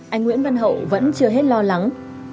anh nguyễn văn hậu vẫn chưa hết lo lắng